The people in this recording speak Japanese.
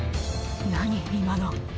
何今の？